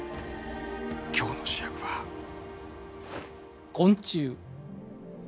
今日の主役は昆虫。